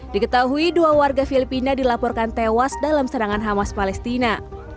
diketahui dua warga filipina dilaporkan tewas dalam serangan hamas palestina